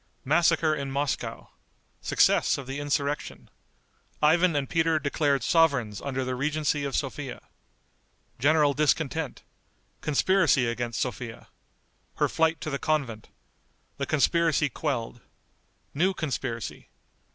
Massacre in Moscow. Success of the Insurrection. Ivan and Peter Declared Sovereigns under the Regency of Sophia. General Discontent. Conspiracy against Sophia. Her Flight to the Convent. The Conspiracy Quelled. New Conspiracy.